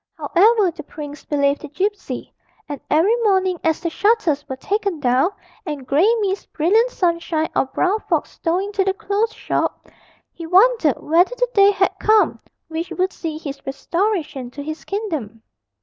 However, the prince believed the gipsy, and every morning, as the shutters were taken down, and grey mist, brilliant sunshine, or brown fog stole into the close shop, he wondered whether the day had come which would see his restoration to his kingdom.